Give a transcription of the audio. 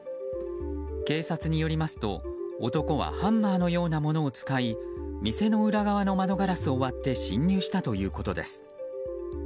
警察によりますと男はハンマーのようなものを使い店の裏側の窓ガラスを割って侵入したということです。